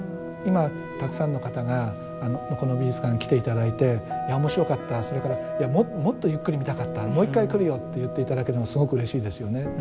今たくさんの方がこの美術館に来て頂いていや面白かったそれからもっとゆっくり見たかったもう一回来るよって言って頂けるのすごくうれしいですよね。